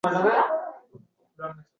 Keyin sizni shifoxonaga olib ketishadi